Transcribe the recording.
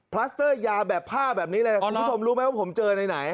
ลัสเตอร์ยาแบบผ้าแบบนี้เลยคุณผู้ชมรู้ไหมว่าผมเจอไหน